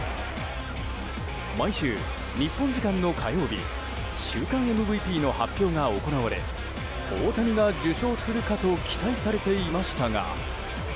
毎週、日本時間の火曜日週間ＭＶＰの発表が行われ大谷が受賞するかと期待されていましたが。